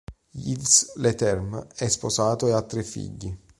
Yves Leterme è sposato e ha tre figli.